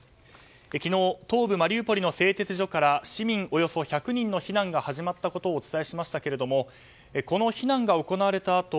昨日東部マリウポリの製鉄所から市民およそ１００人の避難が始まったことをお伝えしましたけれどもこの避難が行われたあと